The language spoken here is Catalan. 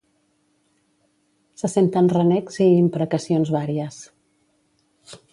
Se senten renecs i imprecacions vàries.